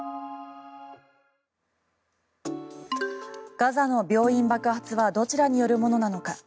ガザの病院爆発はどちらによるものなのか。